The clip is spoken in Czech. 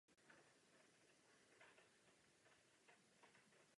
Výbor vzal naše pozměňovací návrhy plně na vědomí.